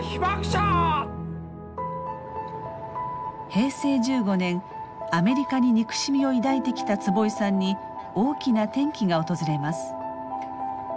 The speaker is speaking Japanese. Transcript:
平成１５年アメリカに憎しみを抱いてきた坪井さんに大きな転機が訪れます。